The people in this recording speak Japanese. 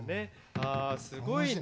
あすごいね。